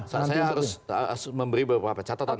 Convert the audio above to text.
saya harus memberi beberapa catatan